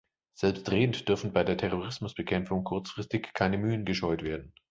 Selbstredend dürfen bei der Terrorismusbekämpfung kurzfristig keine Mühen gescheut werden.